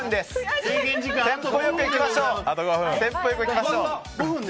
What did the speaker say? テンポ良くいきましょう。